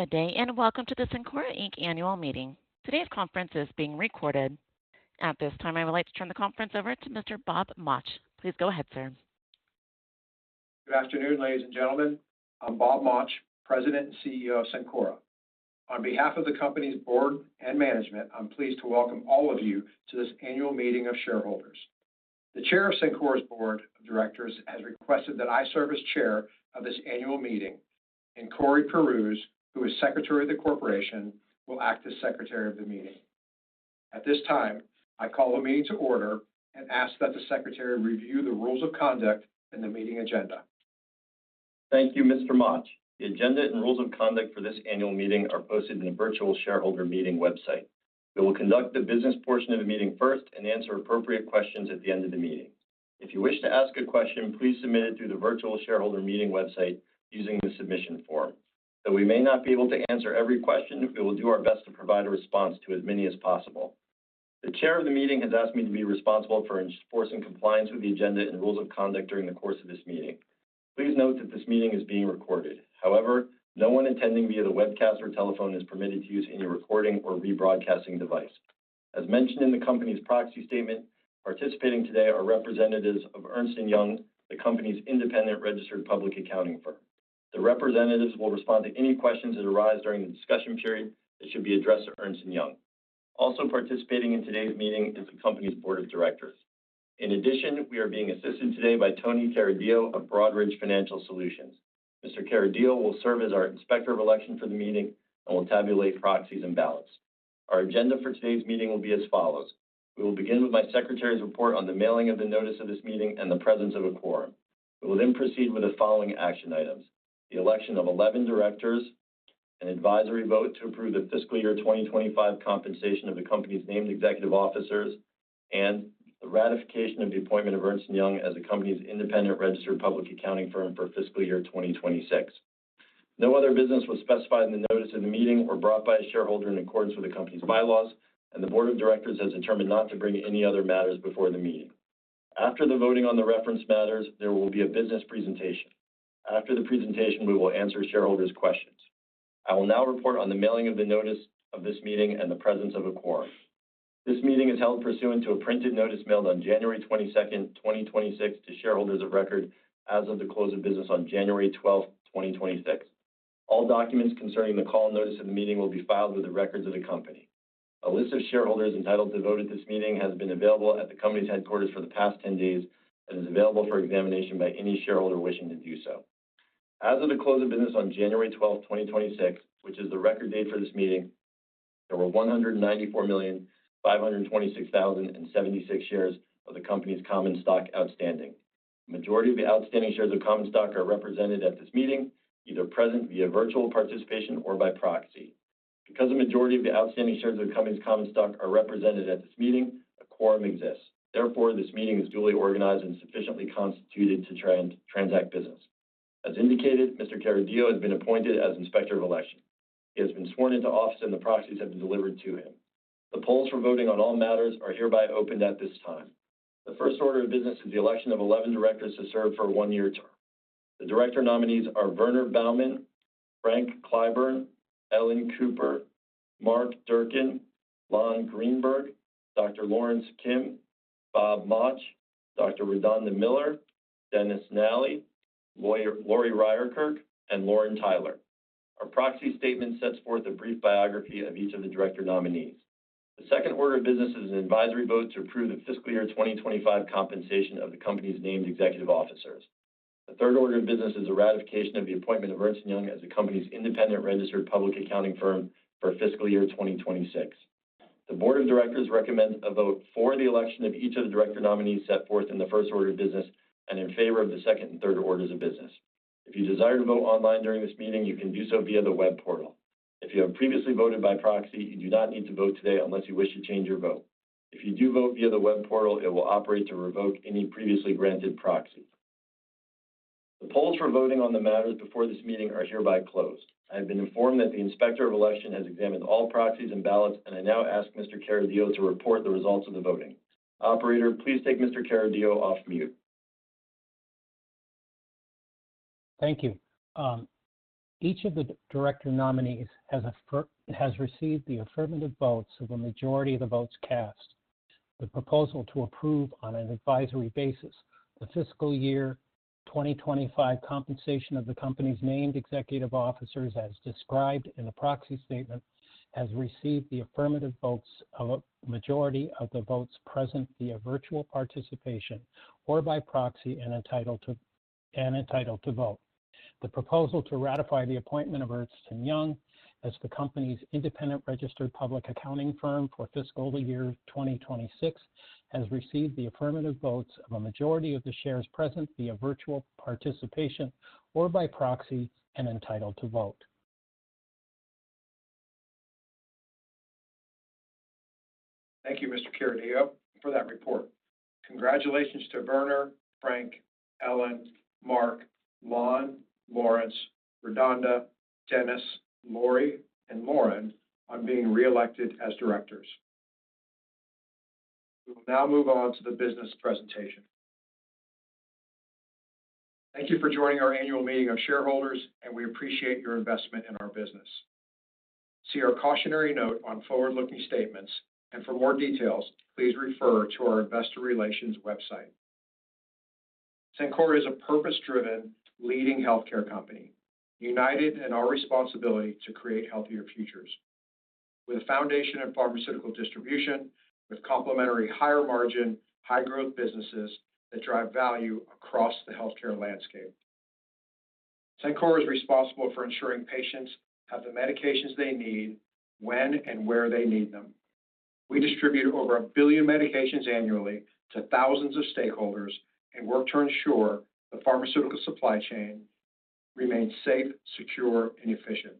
Good day, welcome to the Cencora Incorporated Annual Meeting. Today's conference is being recorded. At this time, I would like to turn the conference over to Mr. Bob Mauch. Please go ahead, sir. Good afternoon, ladies and gentlemen. I'm Bob Mauch, President and CEO of Cencora. On behalf of the company's board and management, I'm pleased to welcome all of you to this annual meeting of shareholders. The chair of Cencora's board of directors has requested that I serve as chair of this annual meeting, and Korey Pirouz, who is secretary of the corporation, will act as secretary of the meeting. At this time, I call the meeting to order and ask that the secretary review the rules of conduct and the meeting agenda. Thank you, Mr. Mauch. The agenda and rules of conduct for this annual meeting are posted in the virtual shareholder meeting website. We will conduct the business portion of the meeting first and answer appropriate questions at the end of the meeting. If you wish to ask a question, please submit it through the virtual shareholder meeting website using the submission form. Though we may not be able to answer every question, we will do our best to provide a response to as many as possible. The chair of the meeting has asked me to be responsible for enforcing compliance with the agenda and rules of conduct during the course of this meeting. Please note that this meeting is being recorded. No one attending via the webcast or telephone is permitted to use any recording or rebroadcasting device. As mentioned in the company's proxy statement, participating today are representatives of Ernst & Young, the company's independent registered public accounting firm. The representatives will respond to any questions that arise during the discussion period that should be addressed to Ernst & Young. Also participating in today's meeting is the company's board of directors. In addition, we are being assisted today by Tony Carideo of Broadridge Financial Solutions. Mr. Carideo will serve as our inspector of election for the meeting and will tabulate proxies and ballots. Our agenda for today's meeting will be as follows. We will begin with my secretary's report on the mailing of the notice of this meeting and the presence of a quorum. We will then proceed with the following action items: the election of 11 directors, an advisory vote to approve the fiscal year 2025 compensation of the company's named executive officers, and the ratification of the appointment of Ernst & Young as the company's independent registered public accounting firm for fiscal year 2026. No other business was specified in the notice of the meeting or brought by a shareholder in accordance with the company's bylaws, and the board of directors has determined not to bring any other matters before the meeting. After the voting on the reference matters, there will be a business presentation. After the presentation, we will answer shareholders' questions. I will now report on the mailing of the notice of this meeting and the presence of a quorum. This meeting is held pursuant to a printed notice mailed on January 22nd, 2026 to shareholders of record as of the close of business on January 12th, 2026. All documents concerning the call and notice of the company meeting will be filed with the records of the company. A list of shareholders entitled to vote at this meeting has been available at the company's headquarters for the past 10 days and is available for examination by any shareholder wishing to do so. As of the close of business on January 12th, 2026, which is the record date for this meeting, there were 194,526,076 shares of the company's common stock outstanding. Majority of the outstanding shares of common stock are represented at this meeting, either present via virtual participation or by proxy. Because the majority of the outstanding shares of the company's common stock are represented at this meeting, a quorum exists. This meeting is duly organized and sufficiently constituted to transact business. As indicated, Mr. Carideo has been appointed as Inspector of Election. He has been sworn into office, and the proxies have been delivered to him. The polls for voting on all matters are hereby opened at this time. The first order of business is the election of 11 directors to serve for a one-year term. The director nominees are Werner Baumann, Frank Clyburn, Ellen Cooper, Mark Durcan, Lon Greenberg, Dr. Lorence Kim, Bob Mauch, Dr. Redonda Miller, Dennis Nally, Lori Ryerkerk, and Lauren Tyler. Our proxy statement sets forth a brief biography of each of the director nominees. The second order of business is an advisory vote to approve the fiscal year 2025 compensation of the company's named executive officers. The third order of business is a ratification of the appointment of Ernst & Young as the company's independent registered public accounting firm for fiscal year 2026. The board of directors recommends a vote for the election of each of the director nominees set forth in the first order of business and in favor of the second and third orders of business. If you desire to vote online during this meeting, you can do so via the web portal. If you have previously voted by proxy, you do not need to vote today unless you wish to change your vote. If you do vote via the web portal, it will operate to revoke any previously granted proxy. The polls for voting on the matters before this meeting are hereby closed. I have been informed that the Inspector of Election has examined all proxies and ballots, and I now ask Mr. Carideo to report the results of the voting. Operator, please take Mr. Carideo off mute. Thank you. Each of the director nominees has received the affirmative votes of a majority of the votes cast. The proposal to approve on an advisory basis the fiscal year 2025 compensation of the company's named executive officers, as described in the proxy statement, has received the affirmative votes of a majority of the votes present via virtual participation or by proxy and entitled to vote. The proposal to ratify the appointment of Ernst & Young as the company's independent registered public accounting firm for fiscal year 2026 has received the affirmative votes of a majority of the shares present via virtual participation or by proxy and entitled to vote. Thank you, Mr. Carideo, for that report. Congratulations to Werner, Frank, Ellen, Mark, Lon, Lorence, Redonda, Dennis, Lori, and Lauren on being reelected as directors. We will now move on to the business presentation. Thank you for joining our annual meeting of shareholders, and we appreciate your investment in our business. See our cautionary note on forward-looking statements. For more details, please refer to our investor relations website. Cencora is a purpose-driven, leading healthcare company, united in our responsibility to create healthier futures. With a foundation in pharmaceutical distribution, with complementary higher margin, high growth businesses that drive value across the healthcare landscape. Cencora is responsible for ensuring patients have the medications they need when and where they need them. We distribute over 1 billion medications annually to thousands of stakeholders and work to ensure the pharmaceutical supply chain remains safe, secure, and efficient.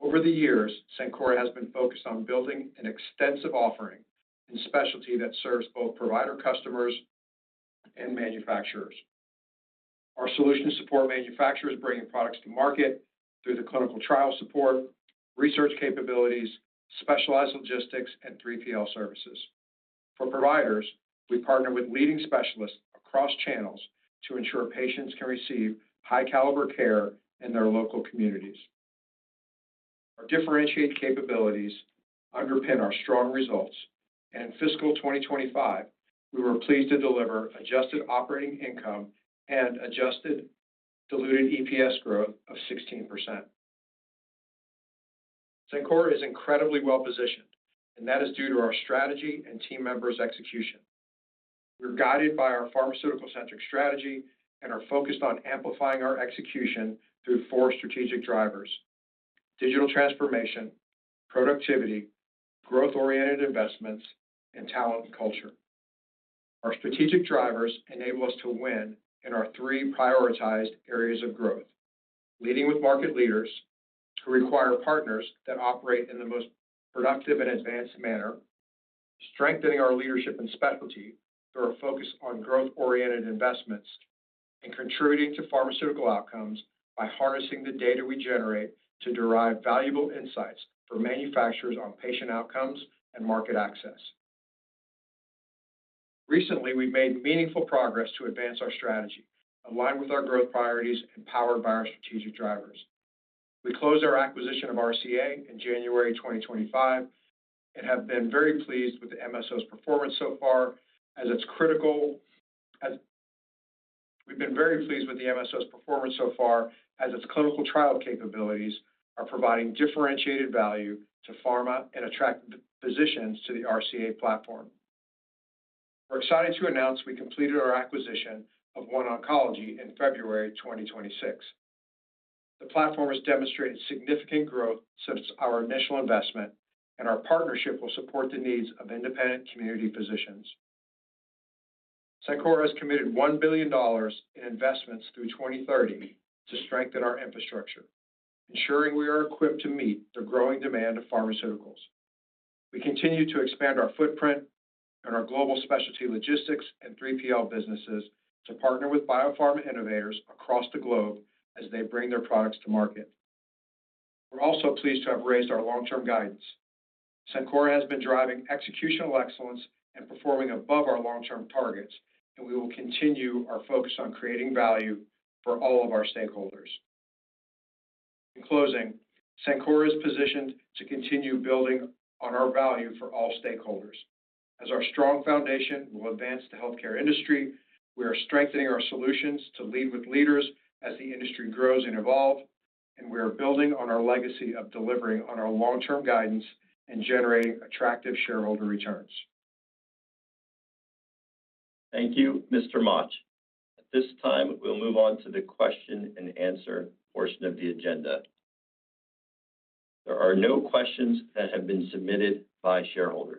Over the years, Cencora has been focused on building an extensive offering and specialty that serves both provider customers and manufacturers. Our solutions support manufacturers bringing products to market through the clinical trial support, research capabilities, specialized logistics, and 3PL services. For providers, we partner with leading specialists across channels to ensure patients can receive high-caliber care in their local communities. Our differentiated capabilities underpin our strong results. In fiscal 2025, we were pleased to deliver adjusted operating income and adjusted diluted EPS growth of 16%. Cencora is incredibly well-positioned, and that is due to our strategy and team members' execution. We're guided by our pharmaceutical-centric strategy and are focused on amplifying our execution through four strategic drivers: digital transformation, productivity, growth-oriented investments, and talent and culture. Our strategic drivers enable us to win in our three prioritized areas of growth. Leading with market leaders who require partners that operate in the most productive and advanced manner. Strengthening our leadership and specialty through our focus on growth-oriented investments. Contributing to pharmaceutical outcomes by harnessing the data we generate to derive valuable insights for manufacturers on patient outcomes and market access. Recently, we've made meaningful progress to advance our strategy, aligned with our growth priorities and powered by our strategic drivers. We closed our acquisition of RCA in January 2025 and have been very pleased with the MSO's performance so far as its clinical trial capabilities are providing differentiated value to pharma and attract physicians to the RCA platform. We're excited to announce we completed our acquisition of OneOncology in February 2026. The platform has demonstrated significant growth since our initial investment, and our partnership will support the needs of independent community physicians. Cencora has committed $1 billion in investments through 2030 to strengthen our infrastructure, ensuring we are equipped to meet the growing demand of pharmaceuticals. We continue to expand our footprint and our global specialty logistics and 3PL businesses to partner with biopharma innovators across the globe as they bring their products to market. We're also pleased to have raised our long-term guidance. Cencora has been driving executional excellence and performing above our long-term targets, and we will continue our focus on creating value for all of our stakeholders. In closing, Cencora is positioned to continue building on our value for all stakeholders. As our strong foundation will advance the healthcare industry, we are strengthening our solutions to lead with leaders as the industry grows and evolve, and we are building on our legacy of delivering on our long-term guidance and generating attractive shareholder returns. Thank you, Mr. Mauch. At this time, we'll move on to the question and answer portion of the agenda. There are no questions that have been submitted by shareholders.